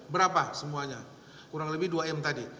berapa semuanya kurang lebih dua m tadi